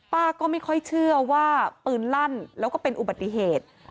ป้าก็ไม่ค่อยเชื่อว่าปืนลั่นแล้วก็เป็นอุบัติเหตุ